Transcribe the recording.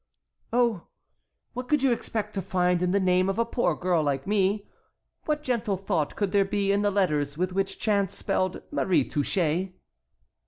"Oh, what could you expect to find in the name of a poor girl like me? What gentle thought could there be in the letters with which chance spelled Marie Touchet?"